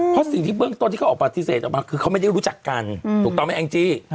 เพราะสิ่งที่เบื้องต้นที่เขาออกปฏิเสธออกมาคือเขาไม่ได้รู้จักกันถูกต้องไหมแองจี้